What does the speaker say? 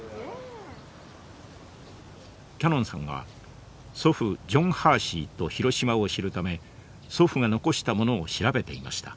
キャノンさんは祖父ジョン・ハーシーと広島を知るため祖父が残したものを調べていました。